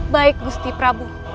baik gusti prabu